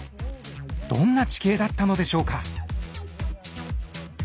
どんな地形だったのでしょうか？